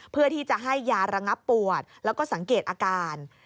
เพื่อที่จะให้ยาระงับปวดแล้วก็สังเกตอาการ